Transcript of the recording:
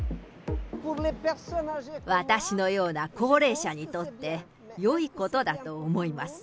私のような高齢者にとって、よいことだと思います。